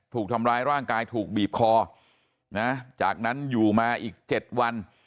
ถูกทำร้ายร่างกายถูกบีบคอนะจากนั้นอยู่มาอีก๗วัน